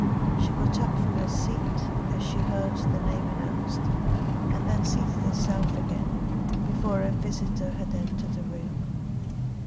She got up from her seat as she heard the name announced, and then seated herself again before her visitor had entered the room.